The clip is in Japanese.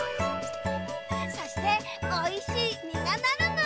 そしておいしいみがなるのだ！